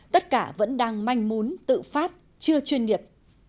tất cả vẫn đang manh mún tự phát chưa chuyên nghiệp